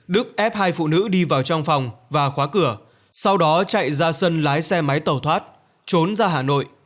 đức ép hai phụ nữ đi vào trong phòng và khóa cửa sau đó chạy ra sân lái xe máy tàu thoát trốn ra hà nội